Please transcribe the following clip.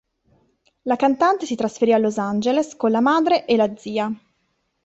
La cantante si trasferì a Los Angeles con la madre e la zia.